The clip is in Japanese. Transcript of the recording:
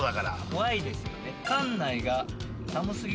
怖いですよね。